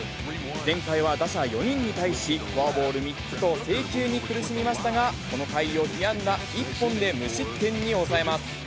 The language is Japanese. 前回は打者４人に対し、フォアボール３つと制球に苦しみましたが、この回を安打１本で無失点に抑えます。